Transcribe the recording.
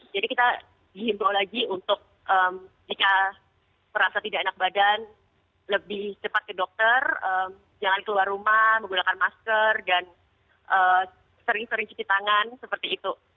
jadi kita dihimbau lagi untuk jika merasa tidak enak badan lebih cepat ke dokter jangan keluar rumah menggunakan masker dan sering sering cuci tangan seperti itu